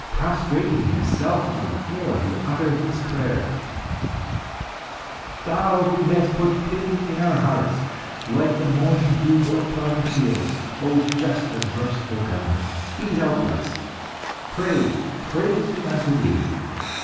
Prostrating himself on the floor, he uttered this prayer "Thou who hast put pity in our hearts, like the morning dew upon the fields, O just and merciful God, be Thou blessed! Praise! praise be unto Thee!